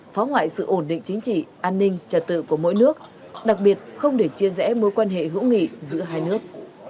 phá hoại sự ổn định chính trị an ninh trật tự của mỗi nước đặc biệt không để chia rẽ mối quan hệ hữu nghị giữa hai nước